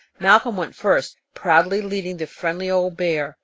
Malcolm went first, proudly leading the friendly old bear.